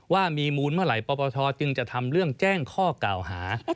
ว่ามีมูลเมื่อไหร่ปปชจึงจะทำเรื่องแจ้งข้อกล่าวหา